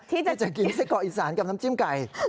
ที่จะกินไส้กรอกอีสานกับน้ำจิ้มไก่